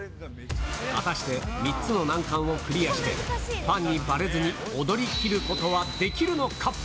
果たして３つの難関をクリアして、ファンにばれずに踊りきることはできるのか。